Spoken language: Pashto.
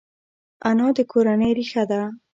انا د کورنۍ ریښه ده